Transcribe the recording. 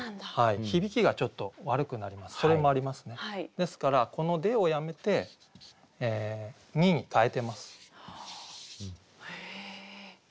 ですからこの「で」をやめて「に」に変えてます。